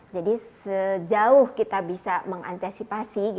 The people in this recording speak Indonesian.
jadi sejauh kita bisa mengantisipasi